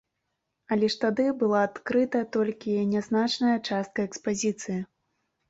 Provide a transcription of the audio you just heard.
Але ж тады была адкрыта толькі нязначная частка экспазіцыі.